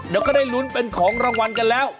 เดี๋ยวก็ได้ลุ้นเป็นของรางวัลกันแล้ว